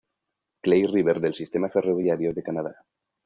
Clair River del sistema ferroviario de Canadá.